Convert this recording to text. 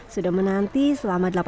sudah menanti selamatnya